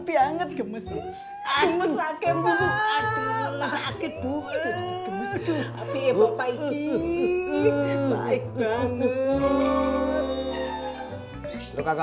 banget gemes gemes sakit buat gemes tuh apa ini baik banget